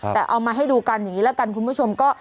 แต่เอามาให้ดูกันอย่างนี้ละกันคุณผู้ชมก็